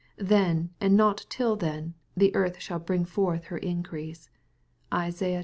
Then, and not till then, the earth shall bring forth her increase. (Isai.